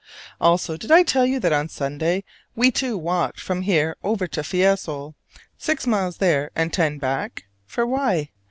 Also did I tell you that on Saturday we two walked from here over to Fiesole six miles there, and ten back: for why?